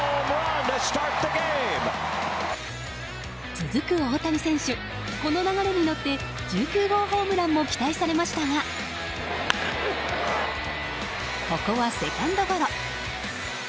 続く大谷選手、この流れに乗って１９号ホームランも期待されましたがここはセカンドゴロ。